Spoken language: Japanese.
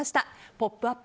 「ポップＵＰ！」